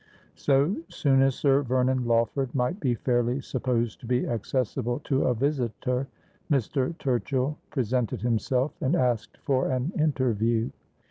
So soon as Sir Vernon Lawford might be fairly supposed to be accessible to a visitor, Mr. Turchill presented himself, and asked for an interview.